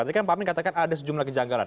tadi kan pak amin katakan ada sejumlah kejanggalan